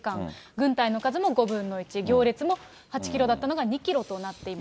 軍隊の数も５分の１、行列も８キロだったのが２キロとなっています。